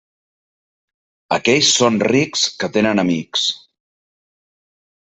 Aquells són rics, que tenen amics.